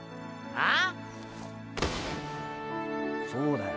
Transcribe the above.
あ⁉そうだよ。